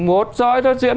một giới đó diễn